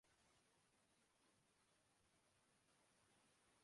Australia کے سابق نائب کپتان ڈیوڈ وارنر کا کرکٹ نہ کھیلنے کا عندیہ